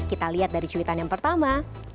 kita lihat dari cuitan yang pertama